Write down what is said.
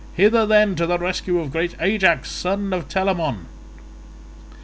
Hither, then, to the rescue of great Ajax son of Telamon."